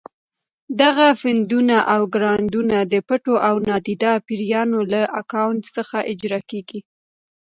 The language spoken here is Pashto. دغه فنډونه او ګرانټونه د پټو او نادیده پیریانو له اکاونټ څخه اجرا کېږي.